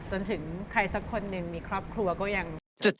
จนถึงใครสักคนหนึ่งมีครอบครัวก็ยัง